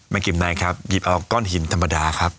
กิมไหนครับหยิบเอาก้อนหินธรรมดาครับ